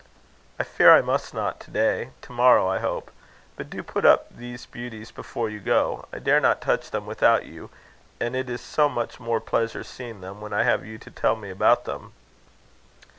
"I fear I must not to day. To morrow, I hope. But do put up these beauties before you go. I dare not touch them without you, and it is so much more pleasure seeing them, when I have you to tell me about them."